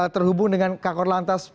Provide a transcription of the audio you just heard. terhubung dengan kak korlantas